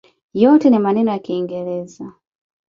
Yote ni maneno ya kiingereza.